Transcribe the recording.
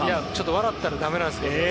笑ったらだめなんですけど。